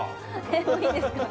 えっもういいんですか？